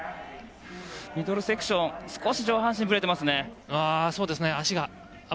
ミドルセクションで少し上半身がぶれていますね。